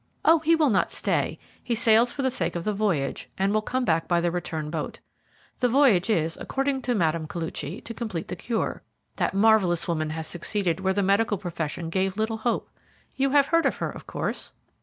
"Oh, he will not stay. He sails for the sake of the voyage, and will come back by the return boat. The voyage is, according to Mme. Koluchy, to complete the cure. That marvellous woman has succeeded where the medical profession gave little hope. You have heard of her, of course?"